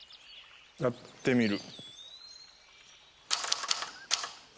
やってみる。